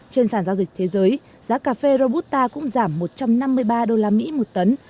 trên sản giao dịch thế giới giá cà phê robusta cũng giảm một trăm năm mươi ba usd một tấn